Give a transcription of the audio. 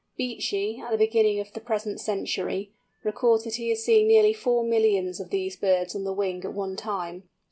Beechey, at the beginning of the present century, records that he has seen nearly four millions of these birds on the wing at one time.